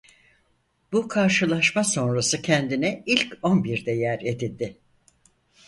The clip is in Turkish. Bu karşılaşma sonrası kendine ilk onbirde yer edindi.